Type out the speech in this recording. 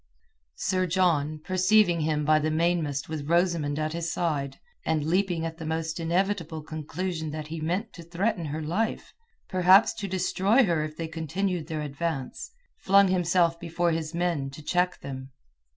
Sir John, perceiving him by the mainmast with Rosamund at his side, and leaping at the most inevitable conclusion that he meant to threaten her life, perhaps to destroy her if they continued their advance, flung himself before his men, to check them.